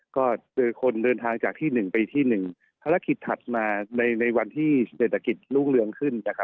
ก็คนเดินทางจากที่หนึ่งไปที่หนึ่งภารกิจถัดมาในในวันที่เศรษฐกิจลุ้งเรืองขึ้นนะครับ